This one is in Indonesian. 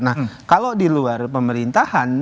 nah kalau di luar pemerintahan